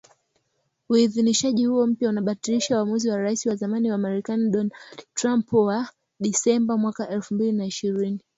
Uidhinishaji huo mpya unabatilisha uamuzi wa Rais wa zamani wa Marekani Donald Trump wa Disemba mwaka elfi mbili na ishirini